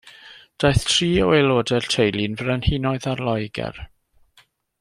Daeth tri o aelodau'r teulu'n frenhinoedd ar Loegr.